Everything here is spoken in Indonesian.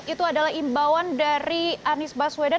itu adalah imbauan dari anies baswedan